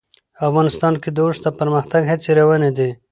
افغانستان کې د اوښ د پرمختګ هڅې روانې دي.